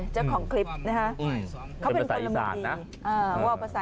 จะของคลิปนะฮะเขาเป็นนะอ๋อ